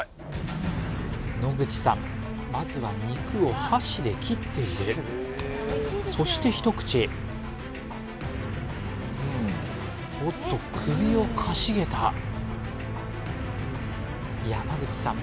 まずは肉を箸で切っているそして一口おっと首をかしげた山口さん